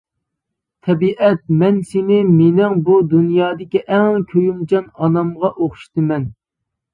تەبىئەت مەن سېنى مېنىڭ بۇ دۇنيادىكى ئەڭ كۆيۈمچان ئانامغا ئوخشىتىمەن.